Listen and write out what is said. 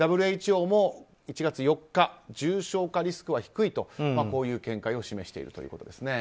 ＷＨＯも１月４日重症化リスクは低いとこういう見解を示しているということです。